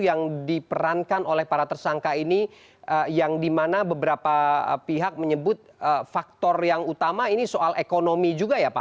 yang diperankan oleh para tersangka ini yang dimana beberapa pihak menyebut faktor yang utama ini soal ekonomi juga ya pak